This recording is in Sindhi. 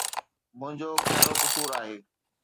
منهنجو ڪهڙو قصور آهي؟